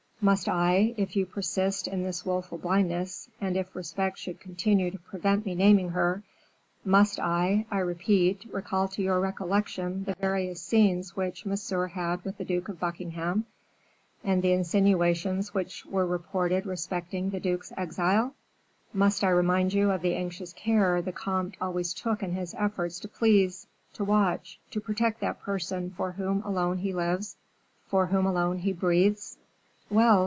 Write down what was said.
Must I, if you persist in this willful blindness, and if respect should continue to prevent me naming her, must I, I repeat, recall to your recollection the various scenes which Monsieur had with the Duke of Buckingham, and the insinuations which were reported respecting the duke's exile? Must I remind you of the anxious care the comte always took in his efforts to please, to watch, to protect that person for whom alone he lives, for whom alone he breathes? Well!